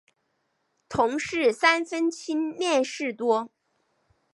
同事三分亲恋事多。